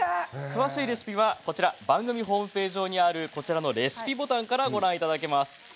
詳しいレシピは番組ホームページ上にあるこちらのレシピボタンからご覧いただけます。